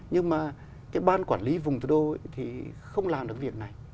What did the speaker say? nhưng mà cái ban quản lý vùng thủ đô thì không làm được việc này